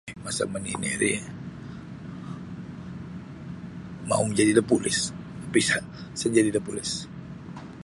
Masa manini ri mau majadi da polis tapi sa' sa najadi da polis.